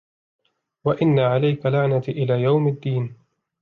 وإن عليك لعنتي إلى يوم الدين